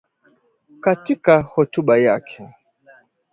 Katika hotuba yake